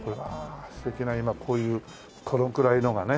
素敵な今こういうこのくらいのがね。